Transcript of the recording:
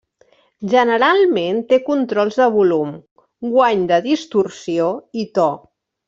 Generalment, té controls de volum, guany de distorsió i to.